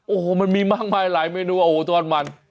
โอ้โหมันมีมากมายไม่รู้โถ่มัน